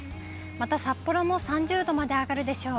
また札幌も３０度まで上がるでしょう。